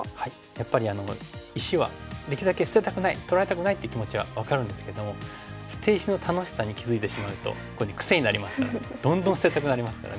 やっぱり石はできるだけ捨てたくない取られたくないっていう気持ちは分かるんですけども捨て石の楽しさに気付いてしまうと癖になりますからどんどん捨てたくなりますからね。